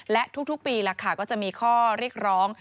และทุกปีก็จะมีข้อเรียกร้อง